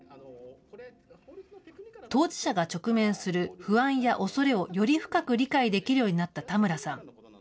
当事者が直面する不安や恐れをより深く理解できるようになった田村さん。